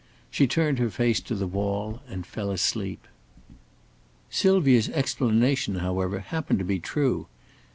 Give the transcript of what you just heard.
She turned her face to the wall and fell asleep. Sylvia's explanation, however, happened to be true.